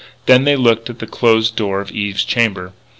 Then they looked at the closed door of Eve's chamber.